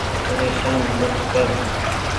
پريشان مت ڪر ۔